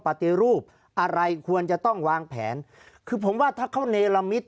ปฏิรูปอะไรควรจะต้องวางแผนคือผมว่าถ้าเขาเนรมิต